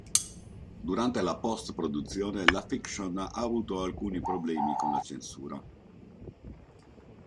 Durante la post-produzione la fiction ha avuto alcuni problemi con la censura.